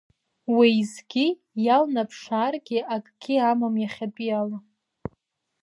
Уеизгьы, иалнаԥшааргьы акгьы амам иахьатәиала.